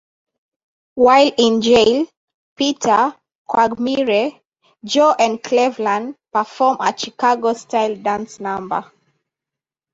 While in jail, Peter, Quagmire, Joe and Cleveland perform a "Chicago"-style dance number.